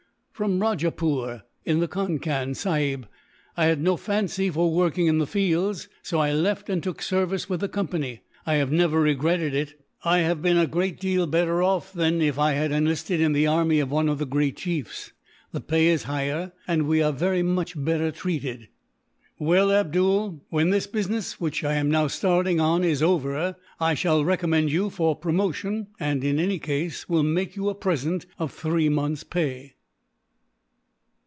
"From Rajapoor, in the Concan, sahib. I had no fancy for working in the fields, so I left and took service with the Company. I have never regretted it. I have been a great deal better off than if I had enlisted in the army of one of the great chiefs. The pay is higher, and we are very much better treated." "Well, Abdool, when this business which I am now starting on is over, I shall recommend you for promotion and, in any case, will make you a present of three months' pay."